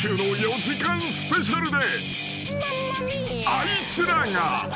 ［あいつらが］